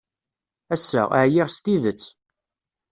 Ass-a, ɛyiɣ s tidet.